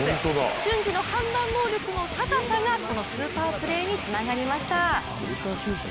瞬時の判断能力の高さが、このスーパープレーにつながりました。